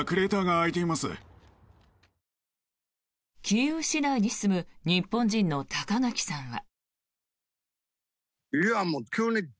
キーウ市内に住む日本人の高垣さんは。